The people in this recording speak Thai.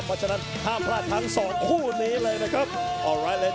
เพราะฉะนั้นห้ามพลาดทั้งสองคู่นี้เลยนะครับ